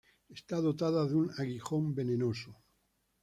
Está dotada de un aguijón venenoso.